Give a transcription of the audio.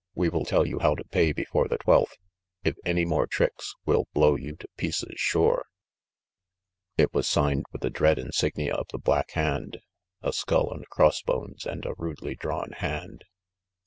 We will tell you how to pay before the twelfth. If any more tricks, will blow you to pieces sure I" It was signed with the dread insignia of the Black Hand, — a skull and cross bones and a rudely drawn hand.